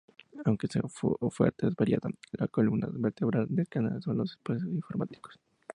Aunque su oferta es variada, la columna vertebral del canal son los espacios informativos.